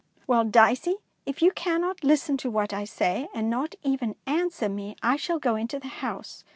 ''Well, Dicey, if you cannot listen to what I say, and not even answer me, I shall go into the house.